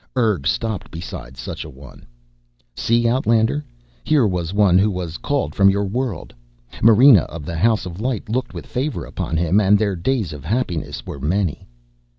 Urg stopped beside such a one. "See, outlander, here was one who was called from your world. Marena of the House of Light looked with favor upon him and their days of happiness were many."